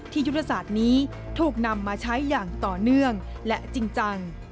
ยุทธศาสตร์นี้ถูกนำมาใช้อย่างต่อเนื่องและจริงจัง